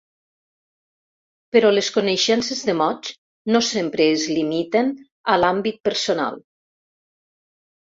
Però les coneixences de mots no sempre es limiten a l'àmbit personal.